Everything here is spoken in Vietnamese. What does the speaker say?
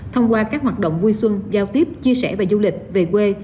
thông qua các hoạt động vui xuân giao tiếp chia sẻ và du lịch về quê